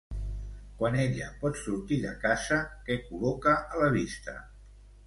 Quan ella pot sortir de casa, què col·loca a la vista?